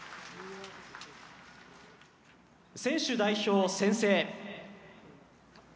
選手代表宣誓。